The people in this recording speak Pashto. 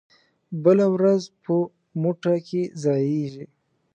بله ورځ په مو ټه کې ځائېږي